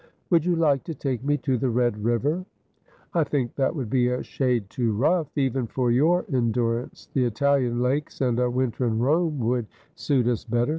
' Would you like to take me to the Red River V' ' I think that would bfe a shade too rough, even for your endurance. The Italian lakes, and a winter in Rome, would suit us better.